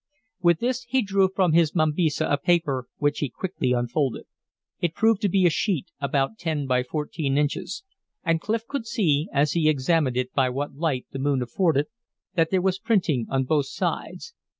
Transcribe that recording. With this he drew from his mambisa a paper which he quickly unfolded. It proved to be a sheet about ten by fourteen inches, and Clif could see, as he examined it by what light the moon afforded, that there was printing on both sides.